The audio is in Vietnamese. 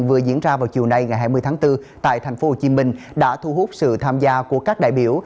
vừa diễn ra vào chiều nay ngày hai mươi tháng bốn tại tp hcm đã thu hút sự tham gia của các đại biểu